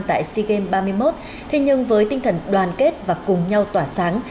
tại sigem ba mươi một thế nhưng với tinh thần đoàn kết và cùng nhau tỏa sáng